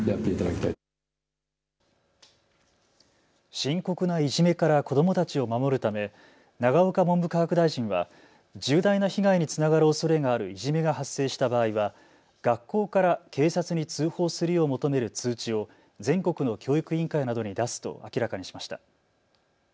深刻ないじめから子どもたちを守るため永岡文部科学大臣は重大な被害につながるおそれがあるいじめが発生した場合は学校から警察に通報するよう求める通知を全国の教育委員会などに出すと明らかにしました。